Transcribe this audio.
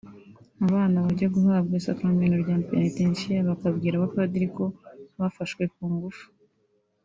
abana bajya guhabwa isakaramentu rya penetesiya bakabwira abapadiri ko bafashwe ku ngufu